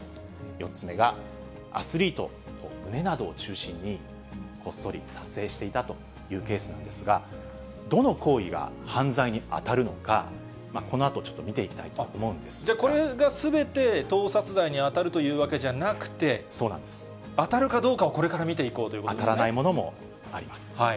４つ目が、アスリート、胸などを中心にこっそり撮影していたというケースなんですが、どの行為が犯罪に当たるのか、このあとちょっと見ていきたいとじゃあ、これがすべて、盗撮罪に当たるというわけじゃなくて、当たるかどうかをこれから当たらないものもあります。